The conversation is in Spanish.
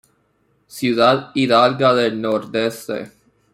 Ciudad Hidalga del Nordeste.